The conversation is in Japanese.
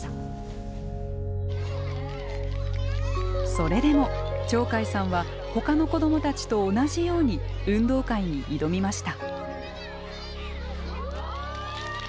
それでも鳥海さんはほかの子供たちと同じように運動会に挑みました。